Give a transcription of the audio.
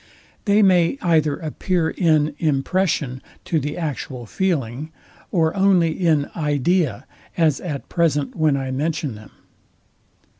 They may either appear in impression to the actual feeling, or only in idea, as at present when I mention them.